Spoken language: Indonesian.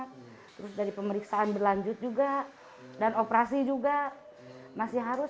terus dari pemeriksaan berlanjut juga dan operasi juga masih harus